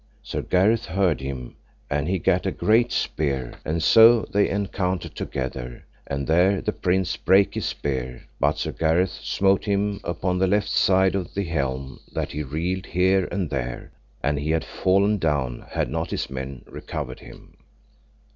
Sir Gareth heard him, and he gat a great spear, and so they encountered together, and there the prince brake his spear; but Sir Gareth smote him upon the left side of the helm that he reeled here and there, and he had fallen down had not his men recovered him.